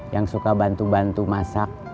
yang suka bantu bantu masak